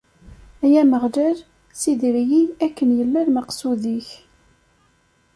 Ay Ameɣlal, ssider-iyi akken yella lmeqsud-ik.